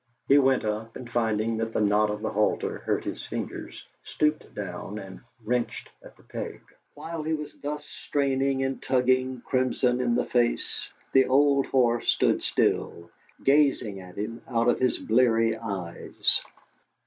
He went up, and finding that the knot of the halter hurt his fingers, stooped down and wrenched at the peg. While he was thus straining and tugging, crimson in the face, the old horse stood still, gazing at him out of his bleary eyes.